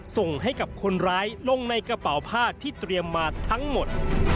ส่งให้กับคนร้ายลงในกระเป๋าผ้าที่เตรียมมาทั้งหมด